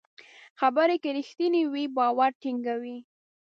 خبرې که رښتینې وي، باور ټینګوي.